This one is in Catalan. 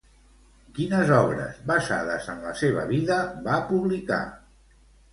Quines obres, basades en la seva vida, va publicar?